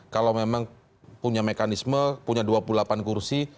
kalau memang punya mekanisme punya dua puluh delapan kursi